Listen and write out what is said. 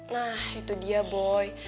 nah itu dia boy